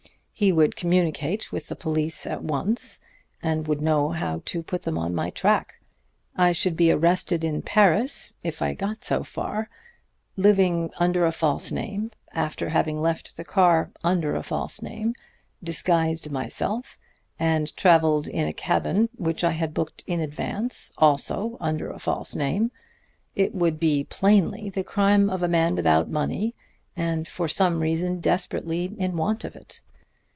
He would communicate with the police at once, and would know how to put them on my track. I should be arrested in Paris if I got so far living under a false name, after having left the car under a false name, disguised myself, and traveled in a cabin which I had booked in advance, also under a false name. It would be plainly the crime of a man without money, and for some reason desperately in want of it.